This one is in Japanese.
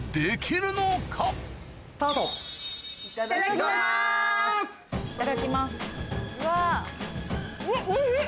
いただきます。